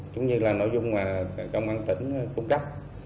cũng như là nội dung mà công an tỉnh cung cấp